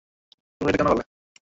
তুমি এটা কেন করলে?